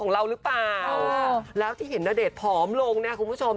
เราหรือเปล่าแล้วที่เห็นณเดชน์ผอมลงเนี่ยคุณผู้ชม